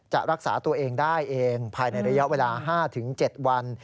รักษาตัวเองได้เองภายในระยะเวลา๕๗วัน